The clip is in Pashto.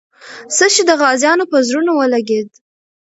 څه شی د غازیانو په زړونو ولګېد؟